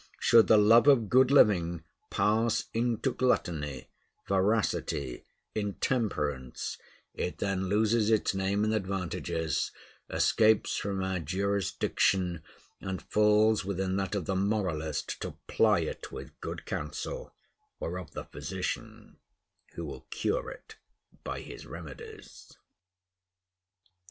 Should the love of good living pass into gluttony, voracity, intemperance, it then loses its name and advantages, escapes from our jurisdiction, and falls within that of the moralist to ply it with good counsel, or of the physician who will cure it by his remedies.